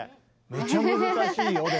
めちゃ難しいよでも。